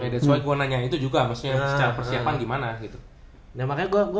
ya that s why gue nanya itu juga maksudnya secara persiapan gimana gitu